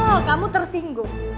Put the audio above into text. oh kamu tersinggung